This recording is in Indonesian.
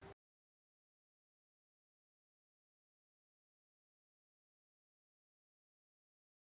ditutup trevor sudah menang